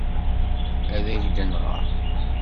Ad ak-d-nɣer.